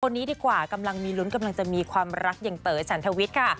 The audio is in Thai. ดีกว่ากำลังมีลุ้นกำลังจะมีความรักอย่างเต๋อฉันทวิทย์ค่ะ